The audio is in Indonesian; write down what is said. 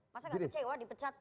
masa nggak kecewa dipecat